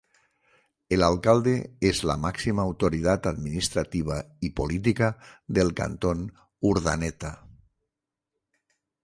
El Alcalde es la máxima autoridad administrativa y política del cantón Urdaneta.